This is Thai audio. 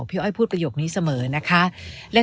อ้อยพูดประโยคนี้เสมอนะคะ